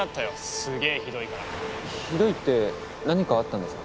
すげぇひどいからひどいって何かあったんですか？